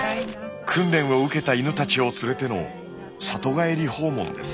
訓練を受けた犬たちを連れての里帰り訪問です。